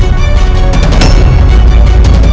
jika hilang kekuatan